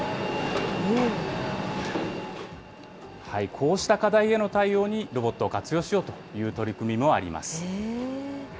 こうした課題への対応に、ロボットを活用しようという取り組みもあります。